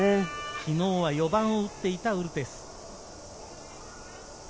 昨日は４番を打っていたウルテス。